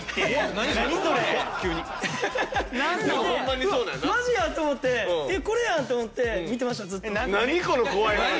見て「うわっ！マジや！」と思って「これやん！」と思って見てましたずっと。